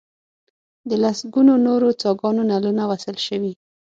د لسګونو نورو څاګانو نلونه وصل شوي.